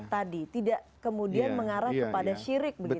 tadi tidak kemudian mengarah kepada sirik